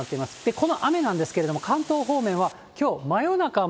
この雨なんですけれども、関東方面はきょう真夜中も。